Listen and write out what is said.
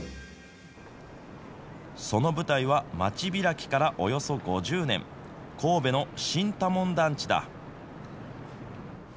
その舞台は、町開きからおよそ５０年、神戸の新多聞団地だ。